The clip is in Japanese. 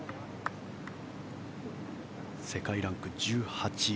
世界ランク１８位。